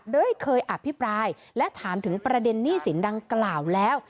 เคยอภิปรายและถามถึงประเด็นหนี้สินดังกล่าวแล้ว